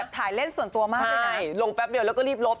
ถ่ายเล่นส่วนตัวมากเลยนะลงแป๊บเดียวแล้วก็รีบลบ